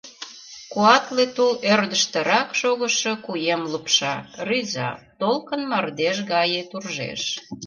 Куатле тул ӧрдыжтырак шогышо куэм лупша, рӱза, толкын мардеж гае туржеш.